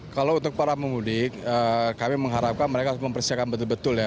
kalau untuk para pemudik kami mengharapkan mereka mempersiapkan betul betul ya